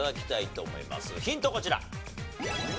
ヒントこちら。